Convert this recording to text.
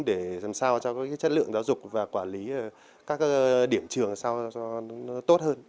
để làm sao cho chất lượng giáo dục và quản lý các điểm trường sao cho nó tốt hơn